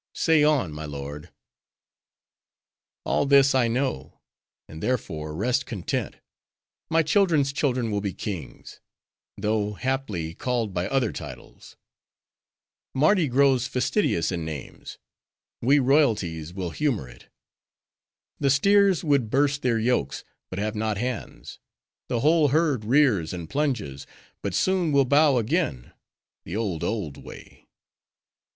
—Say on, my lord." "All this I know; and, therefore, rest content. My children's children will be kings; though, haply, called by other titles. Mardi grows fastidious in names: we royalties will humor it. The steers would burst their yokes, but have not hands. The whole herd rears and plunges, but soon will bow again: the old, old way!"